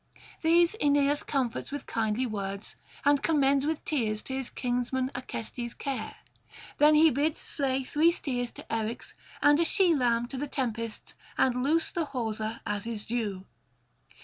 These Aeneas comforts with kindly words, and commends with tears to his kinsman Acestes' care. Then he bids slay three steers to Eryx and a she lamb to the Tempests, and loose the hawser as is due.